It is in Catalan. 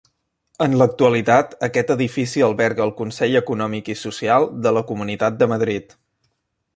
En l'actualitat, aquest edifici alberga el Consell Econòmic i Social de la Comunitat de Madrid.